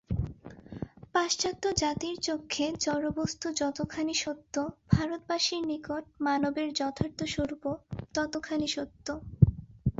পাশ্চাত্য জাতির চক্ষে জড়বস্তু যতখানি সত্য, ভারতবাসীর নিকট মানবের যথার্থ স্বরূপও ততখানি সত্য।